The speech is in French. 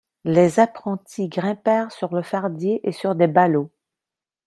Les apprentis grimpèrent sur le fardier et sur des ballots.